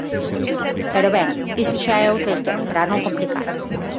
Pero, ben, iso xa é outra historia, para non complicar.